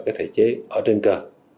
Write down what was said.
cái thể chế ở trên cơ